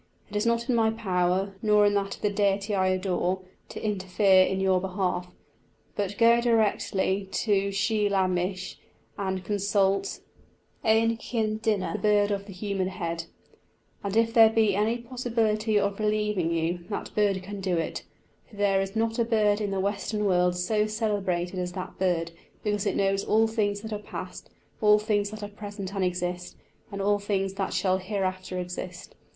It is not in my power, nor in that of the Deity I adore, to interfere in your behalf; but go directly to Sliabh Mis, and consult Eánchinn duine (the bird of the human head), and if there be any possibility of relieving you, that bird can do it, for there is not a bird in the western world so celebrated as that bird, because it knows all things that are past, all things that are present and exist, and all things that shall hereafter exist.